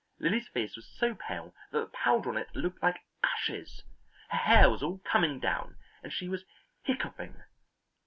Lilly's face was so pale that the powder on it looked like ashes, her hair was all coming down, and she was hiccoughing.